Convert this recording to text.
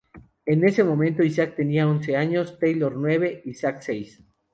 En ese momento, Isaac tenía once años, Taylor nueve y Zac seis.